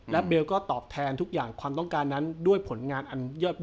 และเบลก็ตอบแทนทุกอย่างความต้องการนั้นด้วยผลงานอันยอดเยี่ยม